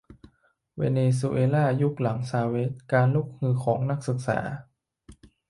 เวเนซุเอล่ายุคหลังชาเวซ การลุกฮือของนักศึกษา